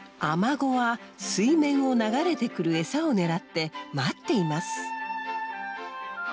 アマゴは水面を流れてくるエサを狙って待っています。